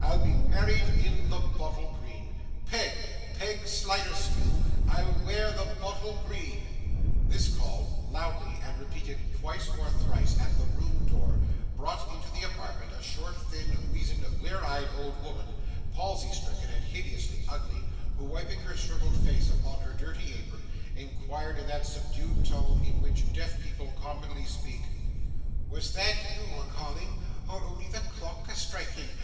I'll be married in the bottle green. Peg. Peg Sliderskew I'll wear the bottle green!' This call, loudly repeated twice or thrice at the room door, brought into the apartment a short, thin, weasen, blear eyed old woman, palsy stricken and hideously ugly, who, wiping her shrivelled face upon her dirty apron, inquired, in that subdued tone in which deaf people commonly speak: 'Was that you a calling, or only the clock a striking?